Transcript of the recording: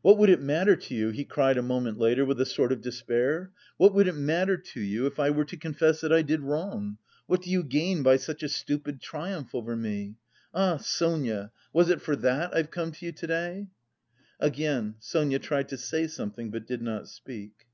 What would it matter to you," he cried a moment later with a sort of despair, "what would it matter to you if I were to confess that I did wrong? What do you gain by such a stupid triumph over me? Ah, Sonia, was it for that I've come to you to day?" Again Sonia tried to say something, but did not speak.